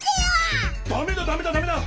ダメだダメだダメだ！